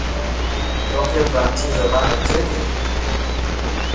توک فرانسي زبان اچي تي؟